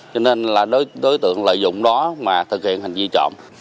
cho nên là đối tượng lợi dụng đó mà thực hiện hành vi trộm